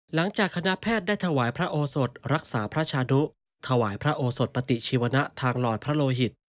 หลังจากคณะแพทย์ได้ถวายพระโอสดรักษาพระชาดุถวายพระโอสดปฏิชีวนะทางหลอดพระโลหิต